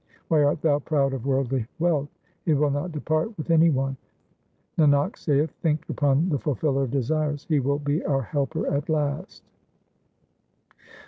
Why art thou proud of worldly wealth ? it will not depart with any one. Nanak saith, think upon the Fulfiller of desires ; He will be our Helper at last.